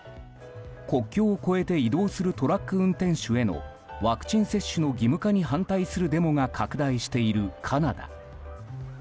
国境を越えて移動するトラック運転手へのワクチン接種の義務化に反対するデモが拡大しているカナダ。